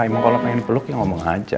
emang kalau pengen peluk ya ngomong aja